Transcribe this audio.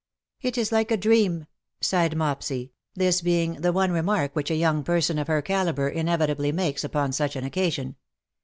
^' It is like a dream/' sighed Mopsy, this being the one remark which a young person of her calibre inevitably makes upon such an occasion.